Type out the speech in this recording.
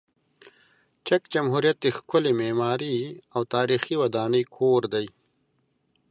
چک جمهوریت د ښکلې معماري او تاریخي ودانۍ کور دی.